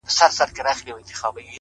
هره پوښتنه نوی فکر راویښوي.!